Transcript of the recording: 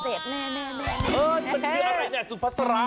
เป็นเรื่องอะไรกันอบศาสตรา